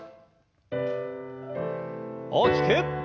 大きく。